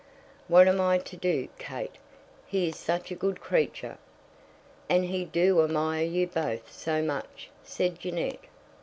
"What am I to do, Kate? He is such a good creature." "And he do admire you both so much," said Jeannette.